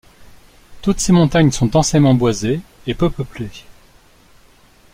Toutes ces montagnes sont densément boisées et peu peuplées.